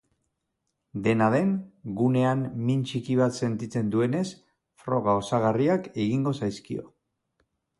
Dena den, gunean min txiki bat sentitzen duenez froga osagarriak egingo zaizkio.